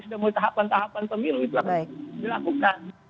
sudah mulai tahapan tahapan pemilu itu akan dilakukan